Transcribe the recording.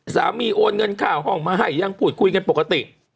โอนเงินค่าห้องมาให้ยังพูดคุยกันปกติ